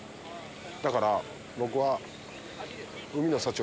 だから僕は。